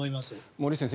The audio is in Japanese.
森内先生